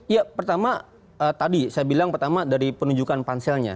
ya pertama tadi saya bilang pertama dari penunjukan panselnya